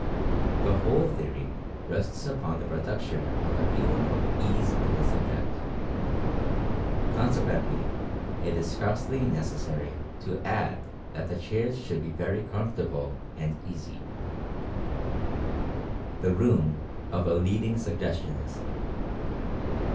The whole theory rests upon the production of a feeling of "ease" in the subject. Consequently, it is scarcely necessary to add that the chairs should be very "comfortable" and "easy." Experimental Fascination 93 THE ROOM OF A LEADING SUGGESTIONIST.